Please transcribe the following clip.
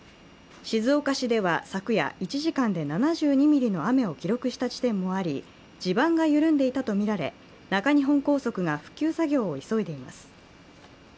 静岡市では昨夜１時間で７２ミリの雨を記録した地点もあり地盤が緩んでいたとみられ中日本高速が復旧作業を急いでいます。